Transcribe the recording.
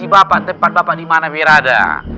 nanti bapak share lokasi bapak tempat bapak dimana berada